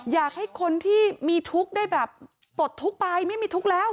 อยากให้คนที่มีทุกข์ได้แบบปลดทุกข์ไปไม่มีทุกข์แล้ว